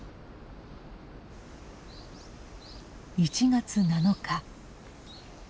１月７日。